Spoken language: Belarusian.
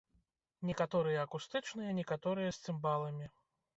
Некаторыя акустычныя, некаторыя з цымбаламі.